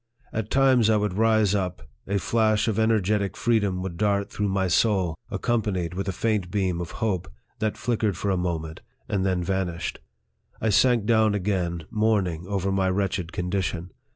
At times I would rise up, a flash of energetic freedom would dart through my soul, accompanied with a faint beam of hope, that flickered for a moment, and then vanished. I sank down again, mourning over my wretched condition.